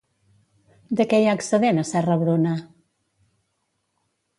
De què hi ha excedent a Serra-Bruna?